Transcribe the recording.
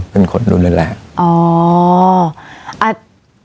เป็นคนรุ่นแรก